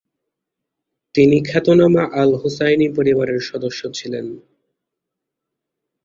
তিনি খ্যাতনামা আল-হুসাইনি পরিবারের সদস্য ছিলেন।